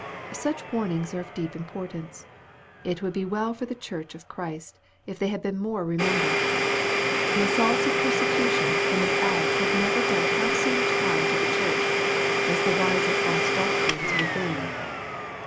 Such warnings are of deep importance. It would be well for the Church of Christ, if they had been more remembered. The assaults of persecution from without have never done half so much harm to the Church, as the rise of false doctrines within.